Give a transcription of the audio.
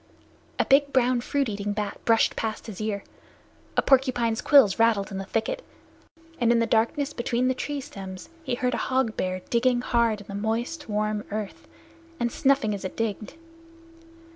A big brown fruit eating bat brushed past his ear; a porcupine's quills rattled in the thicket; and in the darkness between the tree stems he heard a hog bear digging hard in the moist warm earth, and snuffing as it digged.